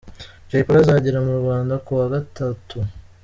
Jay Polly azagera mu Rwanda kuwa gatatu.